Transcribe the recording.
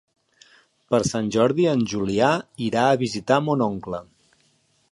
Per Sant Jordi en Julià irà a visitar mon oncle.